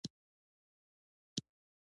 مځکه د زلزلو له کبله خوځېږي.